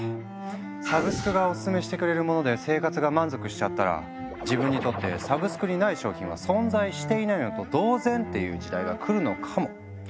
サブスクがオススメしてくれるもので生活が満足しちゃったら自分にとってサブスクにない商品は存在していないのと同然！という時代が来るのかも。